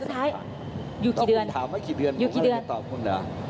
ก็อยู่ที่เดือน